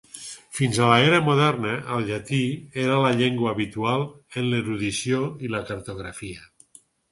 Fins a la era moderna, el llatí era la llengua habitual en l'erudició i la cartografia.